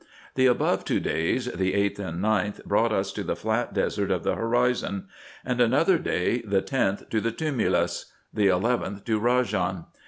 The above two days, the 8th and 9th, brought us to the flat desert of the horizon; and another day, the 10th, to the tumulus; the 11th to Eajan.